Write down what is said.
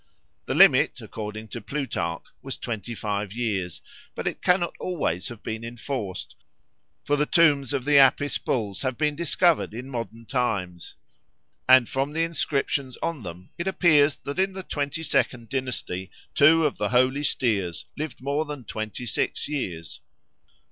The limit, according to Plutarch, was twenty five years; but it cannot always have been enforced, for the tombs of the Apis bulls have been discovered in modern times, and from the inscriptions on them it appears that in the twenty second dynasty two of the holy steers lived more than twenty six years.